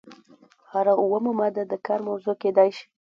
هره اومه ماده د کار موضوع کیدای شي.